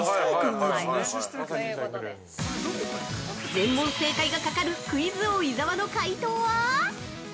◆全問正解がかかるクイズ王・伊沢の解答は？